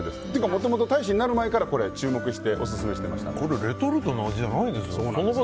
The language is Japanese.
もともと大使になる前から注目してレトルトの味じゃないですね。